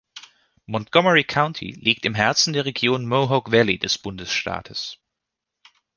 Montgomery County liegt im Herzen der Region Mohawk Valley des Bundesstaates.